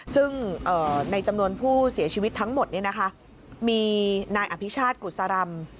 ซึ่งในจำนวนผู้เสียชีวิตทั้งหมดเนี่ยนะคะมีนายอภิชาติกุศรรรม